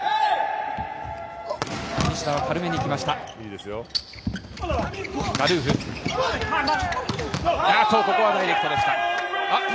西田は軽めに行きました。